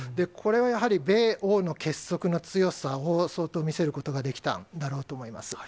これはやはり米欧の結束の強さを相当見せることができたんだろうと思います。